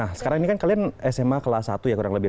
nah sekarang ini kan kalian sma kelas satu ya kurang lebih